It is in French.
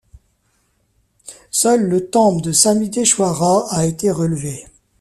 Seul le temple de Samiddeshwara a été relevé.